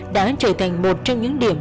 đã trở thành một trong những điểm